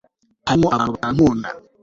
Hariho abantu batankunda